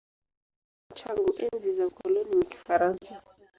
Lugha rasmi tangu enzi za ukoloni ni Kifaransa.